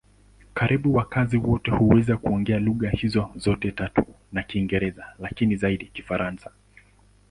Karibu wakazi wote huweza kuongea lugha hizo zote tatu na Kiingereza, lakini zaidi Kifaransa.